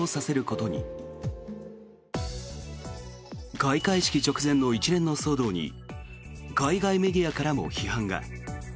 開会式直前の一連の騒動に海外メディアからも批判が。